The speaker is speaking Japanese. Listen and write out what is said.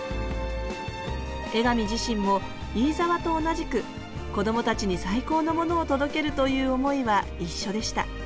江上自身も飯沢と同じくこどもたちに最高のものを届けるという思いは一緒でした